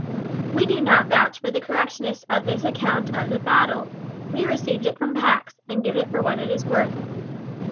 We do not vouch for the correctness of this account of the battle. We received it from Pax, and give it for what it is worth.